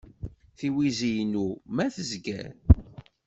Tiwizi-inu ma tezger.